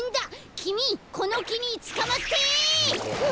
きみこのきにつかまって！